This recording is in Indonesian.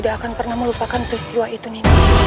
sekarang rasakan ini